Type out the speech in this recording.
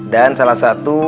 dan salah satu